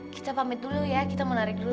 kita pamit dulu ya kita mau narik dulu